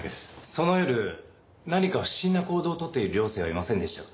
その夜何か不審な行動をとっている寮生はいませんでしたか？